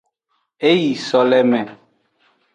E yi soleme.